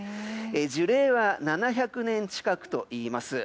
樹齢は７００年近くといいます。